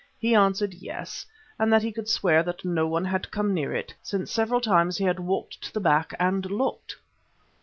He answered yes, and that he could swear that no one had come near it, since several times he had walked to the back and looked.